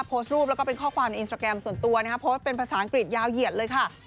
โพสต์รูปแล้วก็เป็นข้อความในอินสตราแกรมส่วนตัวนะฮะโพสต์เป็นภาษาอังกฤษยาวเหยียดเลยค่ะ